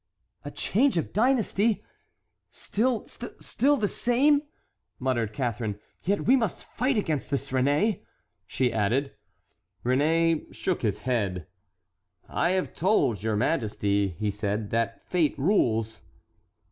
"A change of dynasty! Still—still—still the same!" muttered Catharine; "yet we must fight against this, Réné," she added. Réné shook his head. "I have told your majesty," he said, "that fate rules."